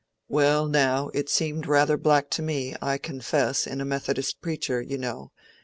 "Well, now, it seemed rather black to me, I confess, in a Methodist preacher, you know.